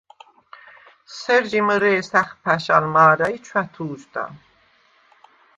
სერ ჟი მჷრე̄ს ა̈ხფა̈შ ალ მა̄რა ი ჩვა̈თუ̄ჟდა.